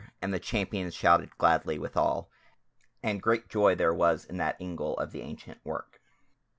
and the Champions shouted gladly withal, and great joy there was in that ingle of the ancient work.